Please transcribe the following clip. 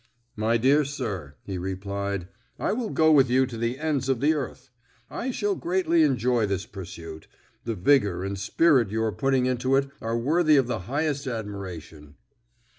"My dear sir," he replied, "I will go with you to the ends of the earth. I shall greatly enjoy this pursuit; the vigour and spirit you are putting into it are worthy of the highest admiration."